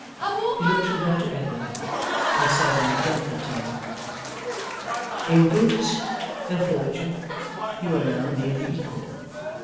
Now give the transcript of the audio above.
He looked from her to Edward, and said in a gentler tone: 'In goods and fortune you are now nearly equal.